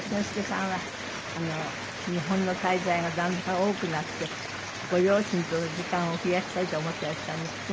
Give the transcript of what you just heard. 善之介さんは日本の滞在がだんだん多くなってご両親との時間を増やしたいと思ってらっしゃるんですって？